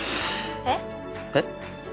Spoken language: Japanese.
えっ？えっ？